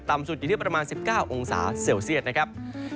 สุดอยู่ที่ประมาณ๑๙องศาเซลเซียตนะครับ